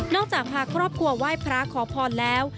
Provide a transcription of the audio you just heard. จากพาครอบครัวไหว้พระขอพรแล้ว